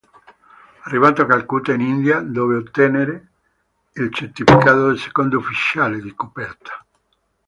Arrivato a Calcutta, in India, dove ottenne il certificato di secondo ufficiale di coperta.